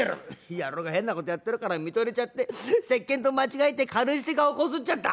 「野郎が変なことやってるから見とれちゃってせっけんと間違えて軽石で顔こすっちゃった」。